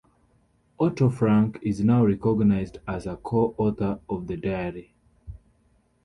Otto Frank is now recognized as a co-author of the diary.